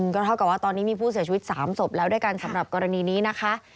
ก็เท่ากับว่าตอนนี้มีผู้เสียชีวิต๓ศพแล้วด้วยกันสำหรับกรณีนี้นะคะ